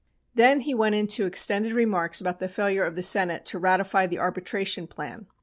"Then he went into extended remarks about the failure of the Senate to ratify the Arbitration plan.